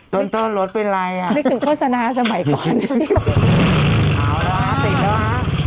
ต้นต้นรถเป็นไรอ่ะนึกถึงโฆษณาสมัยก่อนเอาแล้วติดแล้วนะ